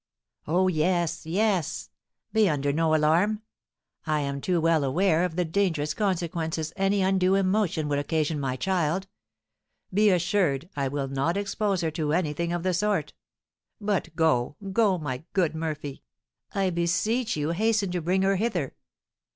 "Oh, yes, yes! Be under no alarm! I am too well aware of the dangerous consequences any undue emotion would occasion my child; be assured I will not expose her to anything of the sort. But go go my good Murphy; I beseech you hasten to bring her hither."